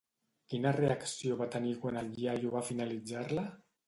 Quina reacció va tenir quan el iaio va finalitzar-la?